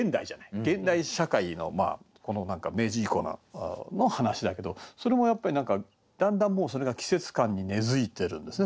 現代社会の明治以降の話だけどそれもやっぱりだんだんもうそれが季節感に根づいてるんですね。